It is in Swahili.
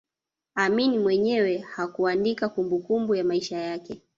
Amin mwenyewe hakuandika kumbukumbu ya maisha yake